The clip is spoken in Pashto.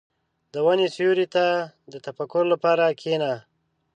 • د ونې سیوري ته د تفکر لپاره کښېنه.